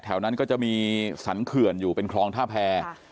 แถวนั้นจะมีศรรคื่นคลองท่าแพง